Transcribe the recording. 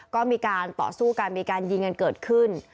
ก็มีการต่อสู้กันมีการยิงกันเกิดขึ้น